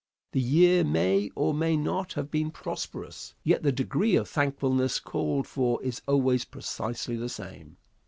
The year may or may not have been prosperous, yet the degree of thankfulness called for is always precisely the same.